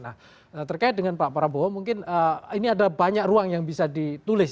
nah terkait dengan pak prabowo mungkin ini ada banyak ruang yang bisa ditulis